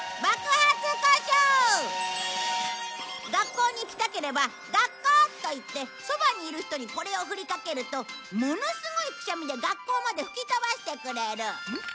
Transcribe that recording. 学校に行きたければ「学校」と言ってそばにいる人にこれをふりかけるとものすごいくしゃみで学校まで吹き飛ばしてくれる。